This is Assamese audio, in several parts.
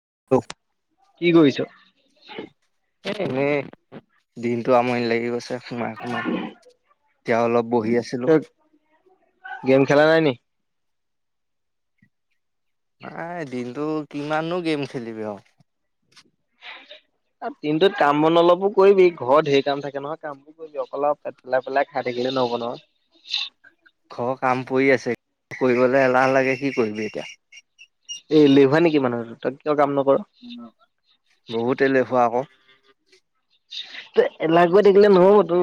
[unintelligible] কি কৰিছ? এ, এনে দিনটো আমনি লাগি গৈছ সোমাই, সোমাই এয়া অলপ বহি আছিলোঁ। তই গেম খেলা নাই নি? নাই দিনটো কিমানো গেম খেলিবি আৰু। দিনটোত কাম - বন অলপো কৰিবি ঘৰ ধেৰ কাম থাকে নহয় কামবোৰ কৰিবি অকল পেট পেলাই পেলাই খাই থাকিলে নহব নহয়। ঘৰ কাম পৰি আছে কৰিবলৈ এলাহ লাগে কি কৰিবি এতিয়া। এ' লেভা নেকি মানুৰ ত কাম ন [inaudible] বহুতে এলেহুৱা আকৌ। [inaudible] তই এলাহ কৰি থাকিলে নহব টো।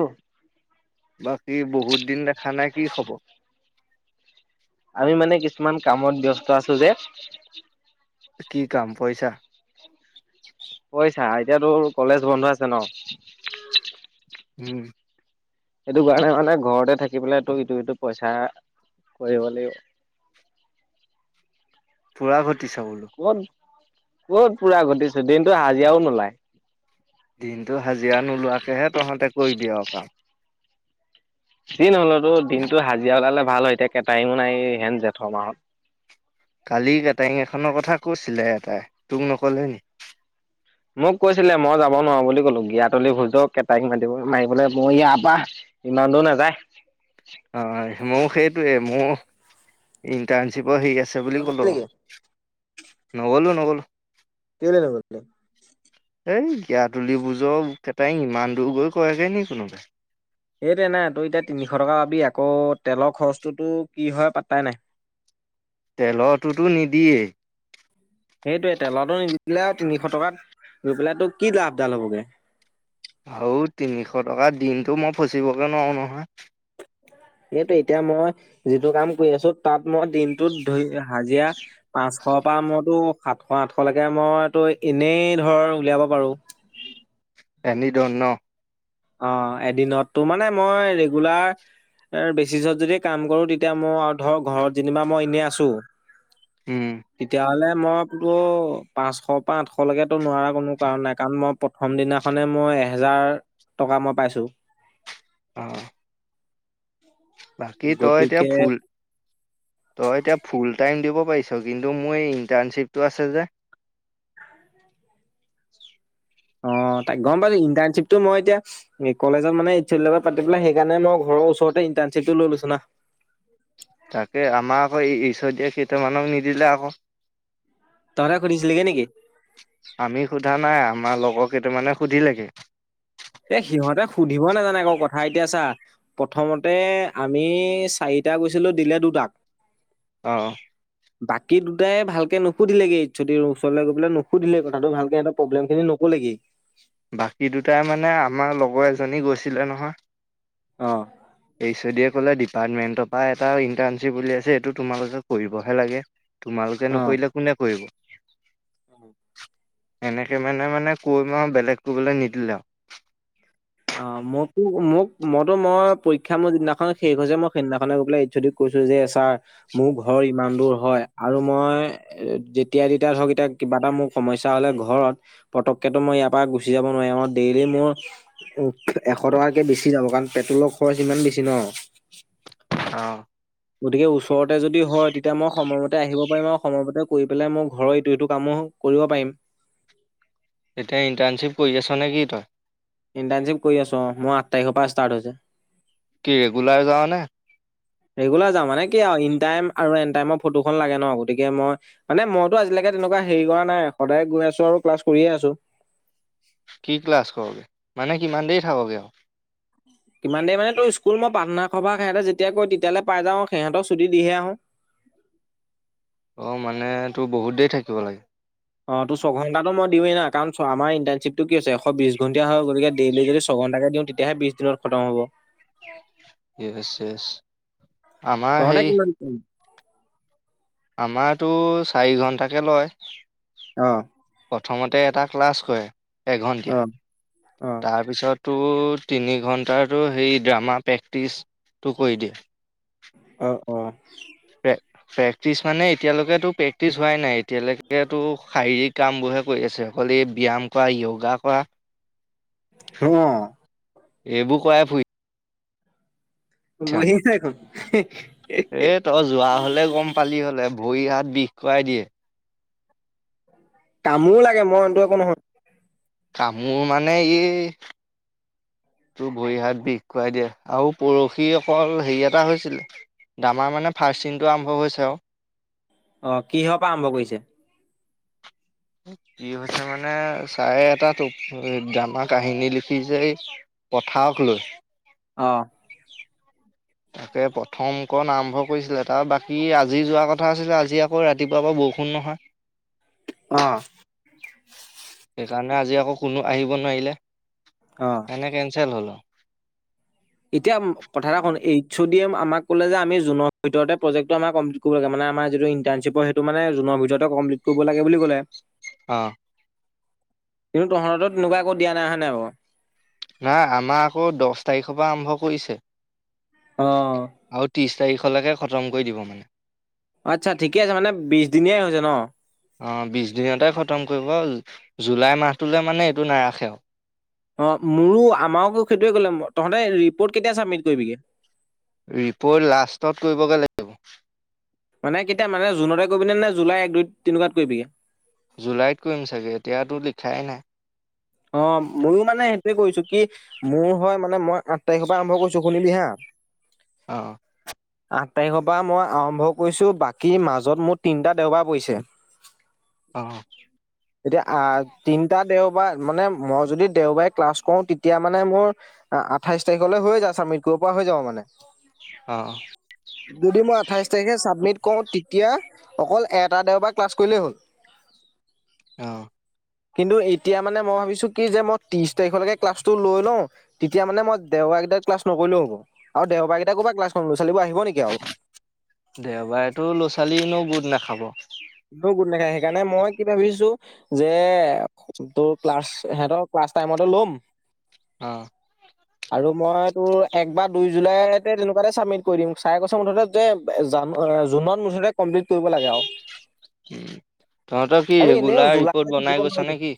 বাকী বহুত দিন দেখা নাই কি খব আমি মানে কিছুমান কামত ব্যস্ত আছো যে। কি কাম পইচা। পইছা আই এতিয়াাতোৰ কলেজ বন্ধ আছে ন? উম। সেইটো কাৰণে মানে ঘৰতে থাকি পেলাইটো ইটো - ইটো পইচা কৰিব লাগিব। পুৰা ঘ টি চাও বোলো ক'ত কত পুৰা ঘটিছো দিনটো হাজিৰাও নোলায় দিনটো হাজিৰা নোলোৱাকেহে তহঁতে কৰিবি আউ কাম যি নহলতো দিনটো হাজিৰা ওলালে ভাল হয় এতিয়া কেটাৰিঙো নাই হেন জেঠ মাহত কালি কেটাৰিঙ এখনৰ কথা কৈছিলে এটাই তোক নকলে নি মোক কৈছিলে মই যাব নোৱাৰো বুলি কলো গিয়াতলি ভোজক কেটাইং মাতি মাৰিবলৈ মই ইয়াৰ পৰা ইমান দূৰ নাযায় অ হয় মোৰ সেইটোৱে মোৰ ইণ্টাৰ্ণশ্বিপ মই হেইক আছে তই বুলি নগলি কলো আও নেকি নগলো নগল [unintelligible] কেলে নগলি তই এই গিয়াতুলি ভোজৰ কেটাৰিং ইমান দূৰ গৈ কয়েগৈ নি কোনোবাই এইটো নাই তই এতিয়া তিনিশ টকা পাবি আকৌ তেলৰ খৰচটোতো কি হয় পাত্তাই নাই তেলটোতো নিদিয়েই সেইটোৱে তেলটো নিদিলে আৰু তিনিশ টকাত গৈ পেলাই তো কি লাভ ডাল হ'বগে আৰু তিনিশ টকা দিনটো মই ফচিবগে নোৱাৰো নহয় এইটোৱে এতিয়া মই যিটো কাম কৰি আছো তাত মই দিনটোত ধৰি হাজিৰা পাঁচশৰ পৰা ম তো সাতশ, আঠশলৈকে মইতো এনেই ধৰ উলিয়াব পাৰোঁ। এনি ডন ন অ' এদিনতো মানে মই ৰেগুলাৰ বেচিছত যদি কাম কৰোঁ। তেতিয়া মোৰ আৰু ধৰ ঘৰত যেনিবা মই এনেই আছোঁ। উম। তেতিয়া হ'লে মই বোলোঁ পাঁচশ পৰা আঠশলৈকেতো নোৱাৰা কোনো কাৰণ নাই, কাৰণ মই প্ৰথম দিনাখনে মই এহেজাৰ টকা মই পাইছোঁ। অহ' বাকী তই এতিয়া গতিকে ফুল, তই এতিয়া ফুল টাইম দিব পাৰিছোঁ। কিন্তু, মোৰ ইণ্টাৰণশ্বিপটো আছে যে অ' তাক গ'ম পাইছোঁ ইণ্টাৰশ্বিপটো মই এতিয়া কলেজত মানে এচি লগত কথা পাতি সেইকাৰণে মই ঘৰৰ ওচৰতে ইণ্টাৰশিপটো লৈ লৈছোঁ না। তাকে আমাৰ আকৌ এ এইচ এতিয়া কেইটামানক নিদিলে আকৌ তহঁতে সুধিছিলিগে নেকি আমি সোধা নাই, আমাৰ লগৰ অ' কেইটা মানে সুধিলে গে এই সিহঁতে সুধিব নাজানে আকৌ কথা এতিয়া চা প্ৰথমতে আমি চাৰিটা গৈছিলোঁ দিলে দুটাক অহ' বাকী দুটাই ভালকে নুসুধিলেগে এইচতি ওচৰলৈ গৈ পেলাই নুসুধিলেগৈ কথাটো ভালকে সিহঁতৰ প্ৰব্লেম খিনি নকলেগে। বাকী দুটাই মানে আমাৰ লগৰ এজনী গৈছিলে অ', নহয়। এই চৈদিয়েফ লে ডিপাৰ্টমেন্টৰ পৰা এটা ইন্টাৰ্নশ্বিপ উলিয়াইছে এইটো তোমালোকে কৰিবহে লাগে। তোমালোকে নকৰিলে কোনে কৰিব অ'। এনেকে মানে মানে কৈ মা বেলেগ কবলৈ নিদিলে আৰু অ' মকৈ মোক মইতো মই পৰীক্ষা মোৰ যিদিনাখন শেষ হৈছে মই সেইদিনাখনে গৈ পেলাই ইচ্ছ ও দি কৈছো যে ছাৰ মোৰ ঘৰ ইমান দূৰ হয় আৰু মই যেতিয়া যেতিয়া ধৰক এতিয়া কিবা এটা মোৰ সমস্যা হলে ঘৰত পতককেতো মই ইয়াৰ পৰা গুচি যাব নোৱাৰি ম ডেইলি মোৰ উ এশ টকাকে বেছি যাব কাৰণ পেট্ৰলৰ খৰচ ইমান বেছি ন। অ'। গতিকে ওচৰতে যদি হয় তেতিয়া মই সময়মতে আহিব পাৰিম আৰু। সময়মতে কৰি পেলাই মই ঘৰৰ এইটো সটো কামো কৰিব পাৰিম। এতিয়া ইণ্টাৰ্ণশ্বিপ কৰি আছ নে কি তই? ইণ্টাৰ্ণশ্বিপ কৰি আছো অ' মই আঠ তাৰিখৰ পৰা ষ্টাৰ্ট হৈছে। কি ৰেগুলাৰ যাও নে? ৰেগুলাৰ যাওঁ। মানে কি আৰু ইন টাইম আৰু এন টাইমৰ ফটোখন লাগে ন, গতিকে মই মানে মইতো আজিলৈকে তেনেকুৱা হেৰি কৰা নাই সদায় গৈ আছো আৰু ক্লাছ কৰিয়ে আছো। কি ক্লাছ কৰোগে? মানে কিমান দেৰি থাকগে? কিমান দেৰি মানে তোৰ, স্কুল মই প্ৰাৰ্থনা সভা সিহঁতে যেতিয়া কৈ তেতিয়ালৈ পাই যাওঁ আৰু সিহঁতৰ ছুটী দিহে আহোঁ। অ', মানে তোৰ বহুত দেৰি থাকিব লাগে। অ' তো, ছয়ঘণ্টাটো মই দিওঁয়ে না কাৰণ আমাৰ ইণ্টাৰ্ণশ্বিপটো কি আছে, এশ বিশ ঘণ্টীয়া হয় গতিকে ডেইলি যদি ছয়ঘন্টাকে দিওঁ তেতিয়াহে বিশ দিনত খতম হ'ব। য়েছ, য়েছ। আমাৰ তহঁতে কিমান কাম আমাৰটো চাৰি ঘন্টাকে লয়। অ'। প্ৰথমতে এটা ক্লাছ কৰে। এঘণ্টীয়া অ অ তাৰপিছত টো তিনি ঘণ্টাৰটো সেই, ড্ৰামা প্ৰেক্টিচটো কৰি দিয়ে। অ', ক'। ফেক্টিচ মানে, এতিয়ালৈকেটো প্ৰেক্টিচ হোৱাই নাই। এতিয়ালৈকেটো শাৰীৰিক কামবোৰহে কৰি আছে, অকলে ব্যায়াম কৰা, য়োগা কৰা। অ এইবোৰ কৰায় ফুৰি বুজিছে [unintelligible] দেখোন এই তই যোৱা হ'লে গম পালি হ'লে, ভৰি হাত বিষ খুৱাই দিয়ে। কামোৰ লাগে মইটো একো নহয়। কামোৰ মানে এই তোৰ ভৰি হাত বিষ খুৱাই দিয়ে আৰু পৰসি অকল হেৰি এটা হৈছিলে, ড্ৰামাৰ মানে ফাৰ্ষ্ট চিনটো আৰম্ভ হৈছে আৰু। অ', কিহঁৰ পা আৰম্ভ কৰিছে? কি হৈছে মানে ছাৰে এটা টু ড্ৰামা কাহিনী লিখিছে, পথাৰক লৈ। অ'। তাকে প্ৰথমকণ আৰম্ভ কৰিছিলে, তাৰ বাকী আজি যোৱাৰ কথা আছিলে, আজি আকৌ ৰাতিপুৱাৰ পৰাাৰ বৰষুণ নহয়। আহ। তাৰণে আজি আকৌ কোনো আহিব নোৱাৰিলে। অ এনে কেচেল হ'ল। আৰু এতিয়া কথা এটা কও নেকি এইচ ও দি এ আমাক ক'লে যে আমি জুনত ভিতৰতে প্ৰজেক্টো কমপ্লিত কৰিব লাগে, মানে আমাৰ যিতো ইন্টানশিপ সেইটো মানে জুনৰ ভিতৰতে কমপ্লিত কৰিব লাগে বুলি ক'লে। অ'। কিন্তু তহতোৰ তেনেকুৱা একো দিয়া নাই! হয় নে নাই বাৰু? নাই আমাৰ আকৌ দহ তাৰিখৰ পৰা আৰম্ভ কৰিছে। অহ ', চাৰিশলৈকে খতম কৰি দিব মানে। আচ্ছা ঠিকে আছে, মানে বিশ দিনিয় হৈছে ন? অহ ', বিশ দিনতে খতম কৰিব। জুলাই মাহটোলৈ মানে এইটো নাৰাখে আৰু। অহ ', মোৰো আমাককো সেইটোৱে ক'লে তহঁতে ৰিপৰ্ট কেতিয়া চাবমিট কৰিবিগে। ৰিপ'ৰ্ট লাষ্টত কৰিবগৈ লাগিব। মানে কেতিয়া মানে জুনতে কৰিবিে নে? জুলাই এক দুই তিনিকাত কৰিবিগি? জুলাইত কৰিম চাগে এতিয়াতো লিখাই নাই। অহ ', ময়ো মানে সেইটোয়ে কৰিছো, কি মোৰ হয় মানে মই তাৰিখ পৰা আৰম্ভ কৰিছো শুনিবি হা। অ আঠ তাৰিখৰ পৰা মই আৰম্ভ কৰিছো বাকী মাজত মোৰ তিনিটা দেওবাৰ পৰিছে। অহ ', এতিয়া আ তিনিটা দেও বা মানে মই যদি দেওবাৰে ক্লাছ কৰো তেতিয়া মানে মোৰ আঠাইশ তাৰিখলৈ হৈ যায় ছাবমিট কৰিব পৰা হৈ যাব মানে। অহ ', যদি মই আঠাইছ তাৰিখে ছাবমিট কৰো তেতিয়া অকল এটা দেওবাৰ ক্লাছ কৰিলেই হ'ল। অহ ', কিন্তু এতিয়া। মানে মই ভাবিছো কি যে মই ত্ৰিশ তাৰিখলৈকে ক্লাটো লৈ লওঁ তেতিয়া মানে মই দেওবাৰ কেইট ক্লা নকৰিলেও হব আৰু দেওব গীইটা কবা কোনে ক্লাছ ছোৱালীবোৰ আহিব নেকি আৰু দেওবাৰে এইটো ল'ৰা ছোৱালীনো বহুত নাখাব। গোট নেখা সেইকাৰণে মই কি ভাবিছো যে তোৰ ক্লাছ সিহতৰ ক্লাছ টাইমতে লম। অহ ', আৰু মই তোৰ এক বা দুই জুলাইতে তেনেকুৱাতে চাবমিট কৰি দিম চাই কৈছে মুঠতে যে জান জুনত মুঠতে কমপ্লিট কৰিব লাগে আৰু। উম, তহতৰ কি আৰু এনেও ৰেগুলাৰ জুলাইতে ৰিপৰ্ট থাকিব বনাই গৈছা নোৱাৰিতো নেকি?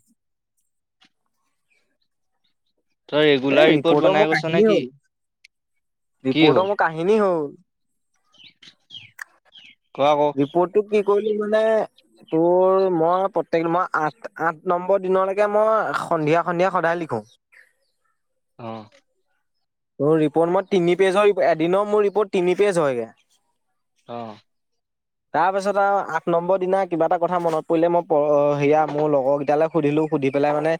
তই এ ৰেগুলাৰ ৰিপৰ্ট ৰিপৰ্টৰ বনাই মোৰ গৈছ নে কাহিনী কি? হল কি হ'ল ৰিপৰ্টৰ মোৰ কাহিনী হ'ল। ক আকৌ ৰিপৰ্টটো কি? কলো মানে তোৰ মই প্ৰত্যেক মাহ আঠ - আঠ নম্বৰ দিনলৈকে মই সন্ধিয়া - সন্ধিয়া সদায় লিখো। অহ ', মোৰ ৰিপৰ্ট মই তিনি পেজৰ এদিনৰ মোৰ ৰিপৰ্ট তিনি পেজ হয়গৈ। অহ', তাৰ পিছত আৰু আঠ নম্বৰ দিনা কিবা এটা কথা মনত পৰিলে মই সেয়া মোৰ লগৰকেইটালৈ সুধিলো সুধি পেলাই মানে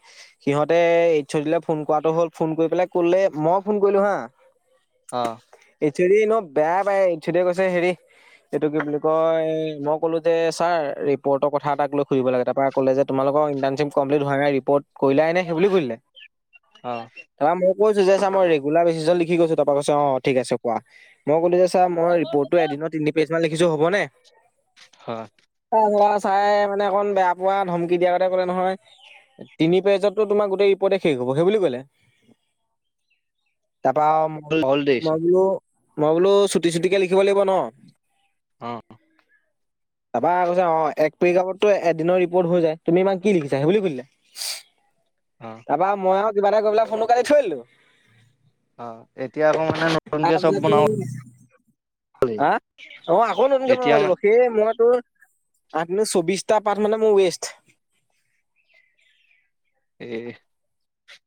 সিহঁতে এজ ঔ ডি ফোন কৰাটো হল ফোন কৰি পেলাই কলে মোক। ফোন কৰিলো হা। অহ ', এজ ঔ ডি এনেও বেয়া পাইয়ে কৈছে হেৰি এইটো কি বুলি কয় মই ক'লো যে ছাৰ ৰিপৰ্টৰ কথা এটাক লৈ সুধিব লাগে তাৰপৰা ক'লে যে তোমালোকৰ ইণ্টাৰ্ণশ্বিপ কমপ্লিট হোৱা নাই ৰিপৰ্ট কলাই নে সেই বুলি কৰিলে। অ', কৈছো যে সামৰি। গোলা বেছি জ লিখি গৈছো তাৰপ কৈছে অহ ', ঠিক আছে কোৱা মই কলো যে মই ৰিপৰ্টো এদিনত তিনি পেয। কিমান লিখিছো হ'ব নে হয় আহ চাই মানে অকণ বেয়া পোৱা ধমকি দিয়াৰ গতে কলে নহয় তিনি পেজতটো তোমাৰ গোটেই ৰিপৰ্টে শেষ হব সেই বোলি কলে তাপা মই হ'ল দেৰিচোন মইও মই বোলো চুটি চুটিকে লিখিব লাগিব ন অ তাপা কৈছে অ এক [unintelligible] এদিনৰ ৰিপৰ্ট হৈ যায় তুমি ইমান কি লিখিছা সেই বুলি খুজিলা অ', তাপা মই আও কিবা এটা কৈ পেলে ফোনটো কাটি থৈ দিলো। অ', এতিয়া আকৌ মানে নতুনকে চব বনাব [unintelligible] হা লাগিব অ' আকৌ নতুনকে বনাব এতিয়া লাগিব মানে সেই মই [unintelligible] চৌবিশটা পাঠ মানে মোৰ ৱেষ্ট।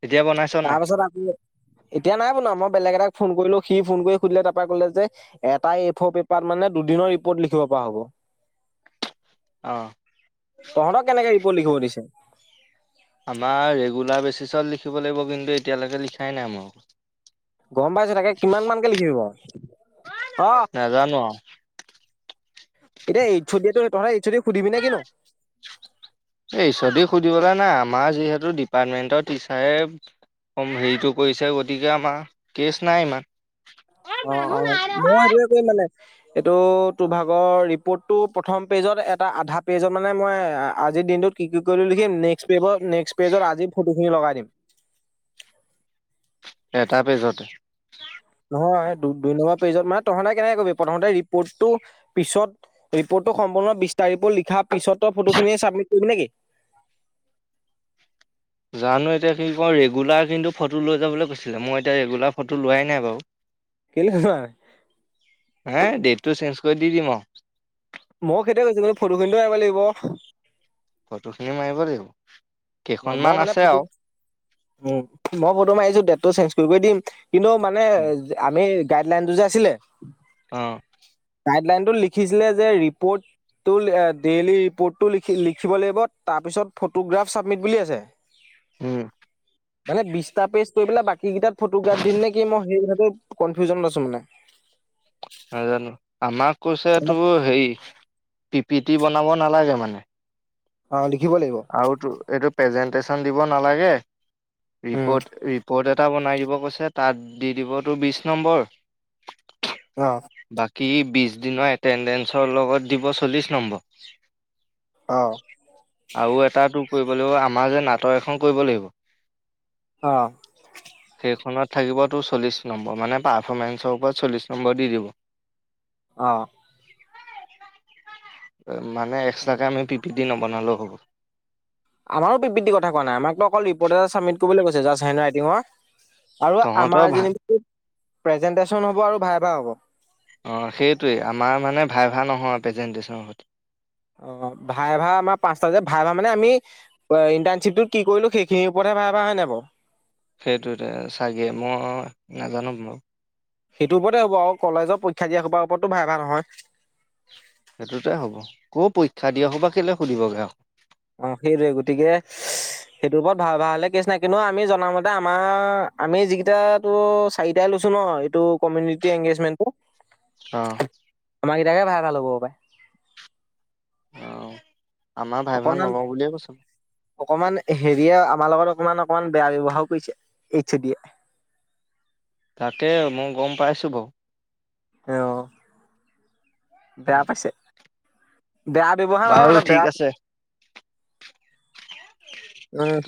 এ। এতিয়া বনাইছ নাই? তাৰপাছত আকৌ এতিয়া নাই বনোৱা মই বেলেগ এটাক ফোন কৰিলো সি ফোন কৰি সুধিলে তাপা ক'লে যে এটাই এ ফৰ পেপাৰ মানে দুদিনৰ ৰিপৰ্ট লিখিব পৰা হ'ব। অ', তহঁতক কেনেকে ৰিপৰ্ট লিখিব দিছে। আমাৰ ৰেগুলাৰ বেচিছত লিখিব লাগিব কিন্তু এতিয়ালৈকে লিখাই নাই ম। গম পাইছো তাকে কিমান মানকে লিখিবি বাও অ। নাজানো আৰু এতিয়া এইচ অডিয়েত তই এইচ অডি এই এইচ অডিও সুধিবলে নাই আমাৰ যিহেতু ডিপাৰ্টমেণ্টৰ টিচাৰে, হেৰিটো কৰিছে গতিকে আমাৰ, কেছ নাই ইমা অ অ মই সেইটোৱে কৰিম মানে। এইটো তোৰভাগৰ ৰিপৰ্টটো প্ৰথম পেজত এটা আধা পেজত মানে মই আজিৰ দিনটোত কি কি কৈ লো লিখিম নেক্স পেজত নেক্স পেজত আজি ফটোখিনি লগাই দিম। [inaudible] এটা পেজতে নহয় দুই নম্বৰ পেজত মানে তহঁতে কেনেকে কৰিবি প্ৰথমতে ৰিপৰ্টো পিছত ৰিপৰ্টটো সম্পূৰ্ণ বিস্তা ৰূপত লিখা পিছতো ফটো খিনি চাবমিট কৰিবি নেকি? জানো এতিয়া কি কওঁ ৰেগুলাৰ কিন্তু ফটো লৈ যাবলৈ কৈছিলে মই এতিয়া ৰেগুলাৰ ফটো লোৱাই নাই বাও। কেলে নোৱাৰে হে ডেতটো চেঞ্জ কৈ দি দিম অ। মই সেইটোৱেই কৈছো মানে ফটো খিনিটো আহিব লাগিব। ফটোখিনি মাৰিব লাগিব। মই কেইখনমান মানে আছে ফটো আও উম, মই ফটো মাৰিছো ডেটটো চেঞ্জ কৰি কৰি দিম। কিন্তু মানে আমি গাইডলাইনটো যে আছিলে। অ গাইডলাইন টোত লিখিছিলে যে ৰিপৰ্ট টো ডেইলি ৰিপৰ্টটো লিখিব লাগিব তাৰপিছত ফটোগ্ৰাফ চা মিত বুলি আছে। উম। মানে বিছটা পেষ্ট কৰি পেলাই বাকী কেইটা ফটোগ্ৰাফ দিম নে মই সেই কথাটো [unintelligible] কনফিউজনত আছো মানে। নাজানো, আমাক কৈছে টো হেৰি, পি পিটি বনাব নালাগে মানে। অ' লিখ আওতো এটোত প্ৰেজেন্টেচন দিব নালাগে। উম ৰিপ'ৰ্ট, ৰিপ'ৰ্ট এটা বন বনাই দিব কৈছে তাত দি দিব টো বিশ নম্বৰ। অহ। কী বিছ দিনৰ এটেণ্ডেসৰ লগত দিব চল্লিছ নম্বৰ। অ আৰু এটা এইটো কৰিব লাগিব, আমাৰ যে নাট টক এখন কৰিব লাগিব। অ। এইখনত থাকিব তোৰ চল্লিশ নম্বৰ। মানে পাৰ্ফমেন্ঞ্চৰ ওপৰত চল্লিশ নম্বৰ দি দিব। অহ। মানে এক্সট্ৰাকে আমি পি পি টি নবনালেও হ'ব। আমাৰো পি পি টি কথা কোৱা নাই। আমাকতো অকল ৰিপৰ্ট এটা চাবমিট কৰিবলৈ কৈছে, জাষ্ট হেণ্ডৰাইটিঙৰ। আৰু তহঁতৰ আমাৰ ভাল যেনিবা প্ৰেজেন্টেচন হ'ব আৰু ভাইভা হ'ব। অ সেইটোৱেই। আমাৰ মানে ভাইভা নহয়, প্ৰেজেণ্টেচন হ'ব। অ, ভাইভা আমাৰ পাঁচটা যে, ভাইভা মানে আমি ইণ্টাৰ্ণশ্বিপটো কি কৰিলোঁ সেইখিনিৰ ওপৰতহে ভাইভা, হয় নাই বাৰু? সেইটোতে চাগে, মই নাজানো বাৰু। সেইটো ওপতে হ'ব আৰু, কলেজৰ পৰীক্ষা দিয়া সোপাৰ ওপৰতটো ভাইভা নহয়। সেইটোতে হ'ব। কো পৰীক্ষা দিয়া সোপা কেলে সুধিবগে আৰু। অ সেইটোৱেই। গতিকে সেইটোৰ ওপৰত ভাইভা হ'লে কেছ নাই। কিন্তু আমি জনা মতে আমাৰ, আমি যিকেইটা টো চাৰিটাই লৈছো ন এইটো কমিউনিটি এংগেজমেন্টটো? অ'। আমাকেইটাকে ভাই ভাই ল'ব পাৰে। অ'। আমাৰ ভাইভা অকণমান, নলওঁ বুলিয়ে কৈছে। অকমান হেৰিয়ে আমাৰ লগত। অকমান, অকমান বেয়া ব্যৱহাৰো কৰিছে এইছ এ দিয়ে। তাকে, মই গম পাইছোঁ বাও। [unintelligible] বেয়া পাইছে। বেয়া ব্যৱহাৰ নহয় বাৰু মানে, ঠিক বেয়া। আছে তোৰ উম,